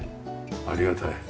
ありがたい。